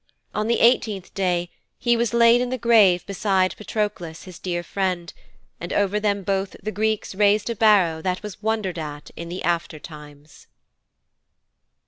On the eighteenth day he was laid in the grave beside Patroklos, his dear friend, and over them both the Greeks raised a barrow that was wondered at in the after times.'